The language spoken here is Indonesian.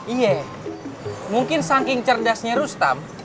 iya mungkin saking cerdasnya rustam